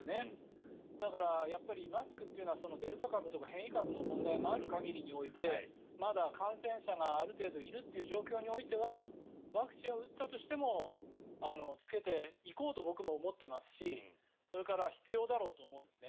だから、マスクというのはデルタ株とか変異株の問題もある中でまだ感染者がある程度いるという状況においてはワクチンを打ったとしても着けていこうと僕も思ってますしそれから必要だろうと思うんですね。